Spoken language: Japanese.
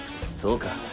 そうか。